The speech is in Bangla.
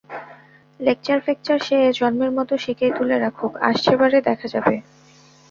লেকচার-ফেকচার সে এ জন্মের মত সিকেয় তুলে রাখুক, আসছে বারে দেখা যাবে।